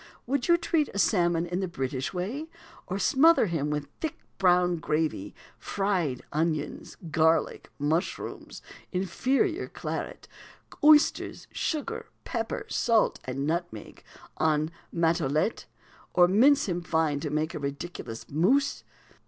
Would you treat a salmon in the British way, or smother him with thick brown gravy, fried onions, garlic, mushrooms, inferior claret, oysters, sugar, pepper, salt, and nutmeg, en Matelote, or mince him fine to make a ridiculous mousse?